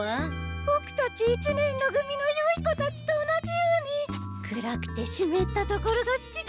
ボクたち一年ろ組のよい子たちと同じように暗くてしめった所がすきかもしれない。